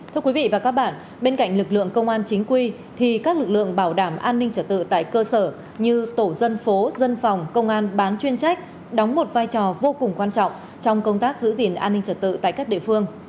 thưa quý vị và các bạn bên cạnh lực lượng công an chính quy thì các lực lượng bảo đảm an ninh trật tự tại cơ sở như tổ dân phố dân phòng công an bán chuyên trách đóng một vai trò vô cùng quan trọng trong công tác giữ gìn an ninh trật tự tại các địa phương